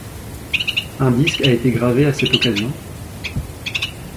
Un disque a été gravé à cette occasion.